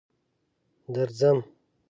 درځم.